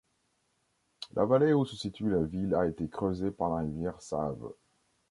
La vallée où se situe la ville a été creusée par la rivière Save.